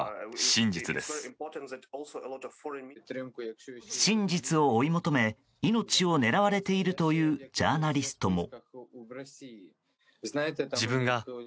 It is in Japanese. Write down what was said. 真実を追い求め命を狙われているというジャーナリストも。